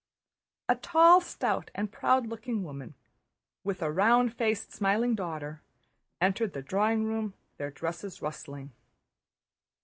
A tall, stout, and proud looking woman, with a round faced smiling daughter, entered the drawing room, their dresses rustling.